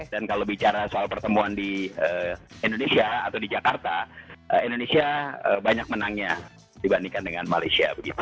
dan kalau bicara soal pertemuan di indonesia atau di jakarta indonesia banyak menangnya dibandingkan dengan malaysia